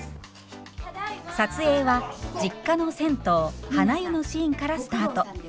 撮影は実家の銭湯はな湯のシーンからスタート。